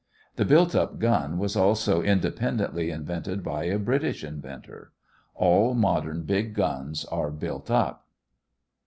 The built up gun was also independently invented by a British inventor. All modern big guns are built up.